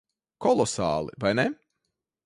Kolosāli. Vai ne?